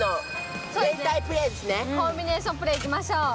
コンビネーションプレーいきましょう！